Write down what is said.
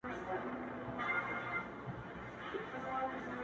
نه بڼو یمه ویشتلی- نه د زلفو زولانه یم-